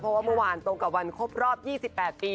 เพราะว่าเมื่อวานตรงกับวันครบรอบ๒๘ปี